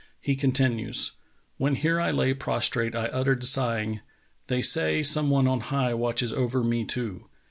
He continues: "When here I lay prostrate I uttered sighing, They say some one on high watches over me too.